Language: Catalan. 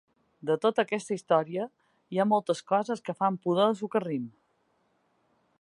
De tota aquesta història, hi ha moltes coses que fan pudor de socarrim.